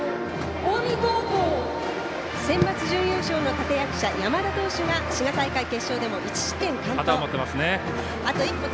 センバツ準優勝の立役者山田投手が滋賀大会決勝でも１失点完投。